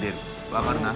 分かるな？